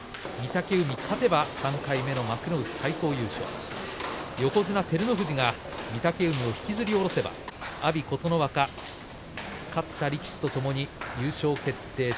御嶽海、勝てば３回目の幕内最高優勝横綱照ノ富士が御嶽海を引きずり下ろせば阿炎、琴ノ若、勝った力士ともに優勝決定